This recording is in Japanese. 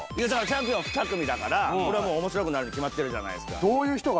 チャンピオン２組だからこれはもう面白くなるに決まってるじゃないですか。